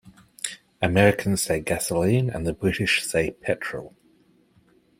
Americans say gasoline and the British say petrol.